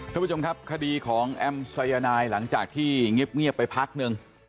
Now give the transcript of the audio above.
ท่านผู้ชมครับคดีของแอมสายนายหลังจากที่เงียบไปพักนึง